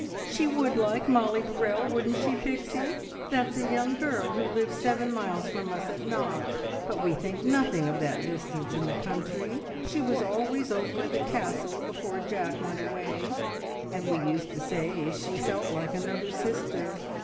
"She would like Mollie Burrell, wouldn't she, Pixie? That's a young girl who lives seven miles from us at Knock, but we think nothing of that distance in the country. She was always over at the Castle before Jack went away, and we used to say she felt like another sister.